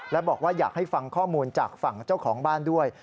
และบอกว่าอยากให้ฟังข้อมูลจากฝั่งเจ้าของบ้านด้วย